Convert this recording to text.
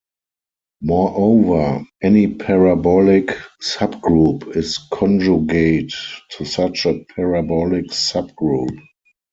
Moreover, any parabolic subgroup is conjugate to such a parabolic subgroup.